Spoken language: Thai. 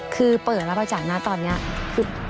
คือเปิดรับบริจาคนะตอนนี้คือ